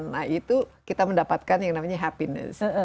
nah itu kita mendapatkan yang namanya happiness